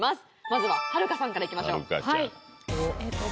まずははるかさんからいきましょうえっと